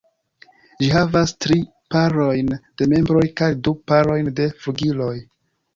Ĝi havas tri parojn de membroj kaj du parojn de flugiloj.